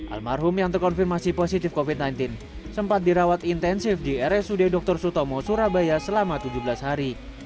almarhum yang terkonfirmasi positif covid sembilan belas sempat dirawat intensif di rsud dr sutomo surabaya selama tujuh belas hari